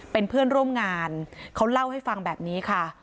เป็นเพื่อนร่วมงานเขาเล่าให้ฟังแบบนี้ค่ะ